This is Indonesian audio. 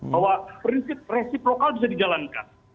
bahwa prinsip prinsip lokal bisa dijalankan